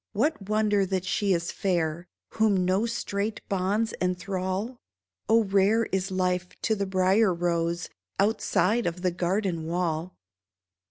What wonder that she is fair, Whom no strait bonds enthrall ? Oh, rare is life to the Brier Rose, Outside of the garden wall